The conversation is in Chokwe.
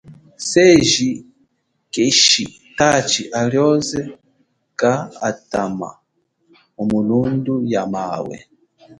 Seji keeshi tachi alioze kaathama mu milundu ya mawe.